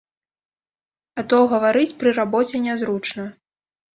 А то гаварыць пры рабоце нязручна.